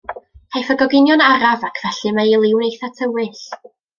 Caiff ei goginio'n araf ac felly mae ei liw'n eitha tywyll.